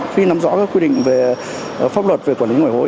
khi nắm rõ các quy định về pháp luật về quản lý ngoại hối